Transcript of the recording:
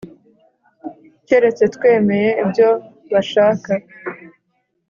Keretse twemeye ibyo bashaka